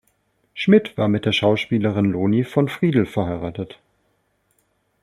Schmidt war mit der Schauspielerin Loni von Friedl verheiratet.